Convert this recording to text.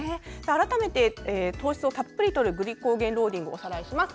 改めて糖質をたっぷりとるグリコーゲンローディングをおさらいします。